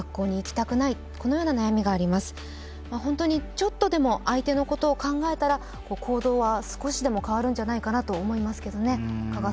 ちょっとでも相手のことを考えたら行動は少しでも変わるんじゃないかなと思いますけどね。